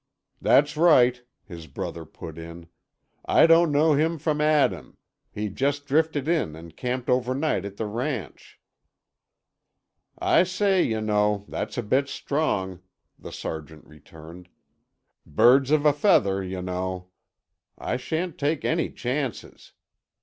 "That's right," his brother put in. "I don't know him from Adam. He just drifted in and camped overnight at the ranch." "I say y'know, that's a bit strong," the sergeant returned. "'Birds of a feather,' y'know. I shan't take any chances.